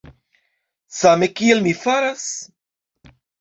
Same kiel mi faras?